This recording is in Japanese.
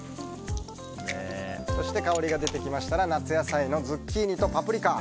そして、香りが出てきましたら夏野菜のズッキーニとパプリカ